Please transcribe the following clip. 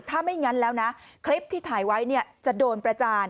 ถ้าไม่งั้นแล้วนะคลิปที่ถ่ายไว้จะโดนประจาน